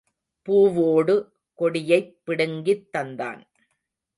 பூவோடு கொடியைப் பிடுங்கித் தந்தான்.